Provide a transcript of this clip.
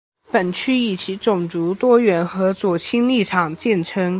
本区以其种族多元和左倾立场见称。